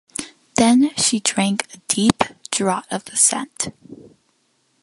Then she drank a deep draught of the scent.